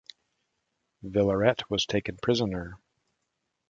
Villaret was taken prisoner.